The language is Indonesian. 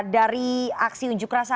dari aksi unjuk rasa